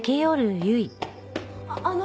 あの。